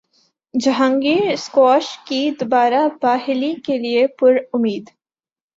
Jahangir squash کی دوبارہ بحالی کیلئے پرامید